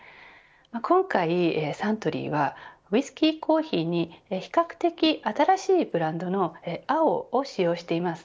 今回サントリーはウイスキーコーヒーに比較的新しいブランドの碧Ａｏを使用しています。